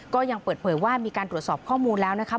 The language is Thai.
ก็ยังเปิดเผยว่ามีการตรวจสอบข้อมูลแล้วนะคะ